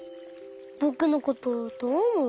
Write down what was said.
ぼくのことどうおもう？